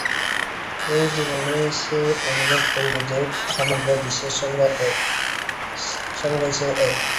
এই জীবনেই সে অনুভব করিবে যে, সমগ্র বিশ্বের সঙ্গে সে এক।